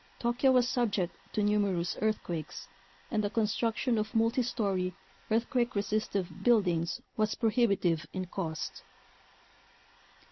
(Tokyo was subject to numerous earthquakes and the construction of multi story, earthquake resistive buildings was pro hibitive in cost.)